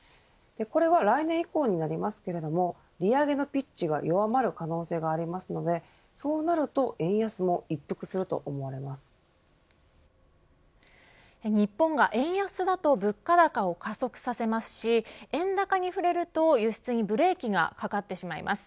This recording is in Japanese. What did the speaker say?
これは来年以降になりますけれども利上げのピッチが弱まる可能性がありますのでそうなると円安も日本が円安だと物価高を加速させますし円高に振れると輸出にブレーキがかかってしまいます。